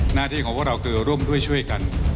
หน้าที่ของพวกเราคือร่วมด้วยช่วยกัน